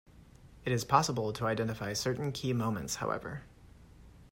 It is possible to identify certain key moments, however.